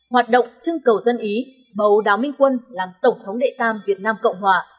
hoạt động trưng cầu dân ý bầu đào minh quân làm tổng thống đệ tam việt nam cộng hòa